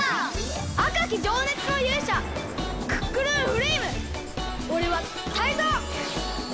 あかきじょうねつのゆうしゃクックルンフレイムおれはタイゾウ！